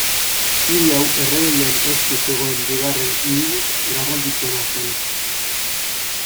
Hiri hau errebeldeen esku zegoen bigarren hiririk garrantzitsuena zen.